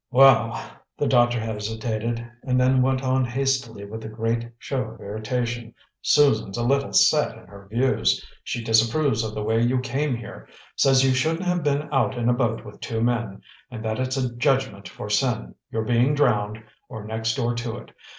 '" "Well " the doctor hesitated, and then went on hastily with a great show of irritation, "Susan's a little set in her views. She disapproves of the way you came here; says you shouldn't have been out in a boat with two men, and that it's a judgment for sin, your being drowned, or next door to it.